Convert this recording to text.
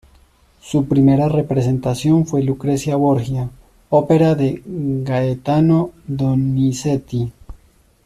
Su primera representación fue Lucrecia Borgia, ópera de Gaetano Donizetti.